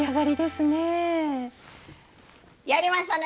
やりましたね！